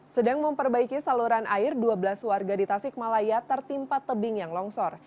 sedang memperbaiki saluran air dua belas warga di tasikmalaya tertimpa tebing yang longsor